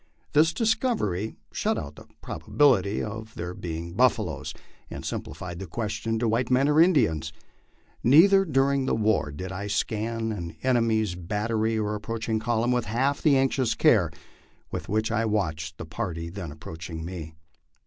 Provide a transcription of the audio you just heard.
This discovery shut out the probability of their being buffaloes, and simplified the question to white men or Indians. Never during the war did I scan an enemy's battery or ap proaching column with half the anxious care with which I watched the party then approaching me.